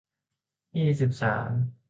ยี่สิบสาม